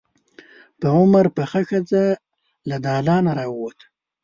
په عمر پخه ښځه له دالانه راووته.